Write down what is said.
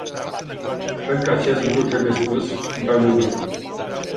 Cred că acest lucru trebuie spus, într-adevăr.